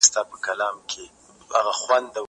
زه واښه راوړلي دي!؟